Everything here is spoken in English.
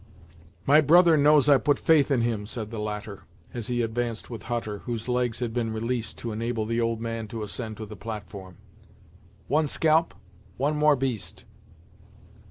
"My brother knows I put faith in him," said the latter, as he advanced with Hutter, whose legs had been released to enable the old man to ascend to the platform. "One scalp one more beast."